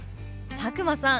佐久間さん